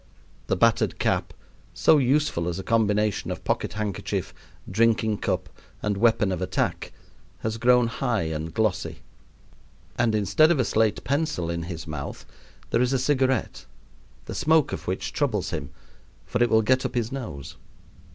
The battered cap, so useful as a combination of pocket handkerchief, drinking cup, and weapon of attack, has grown high and glossy; and instead of a slate pencil in his mouth there is a cigarette, the smoke of which troubles him, for it will get up his nose.